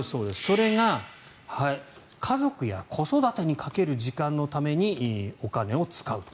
それが家族や子育てにかける時間のためにお金を使うと。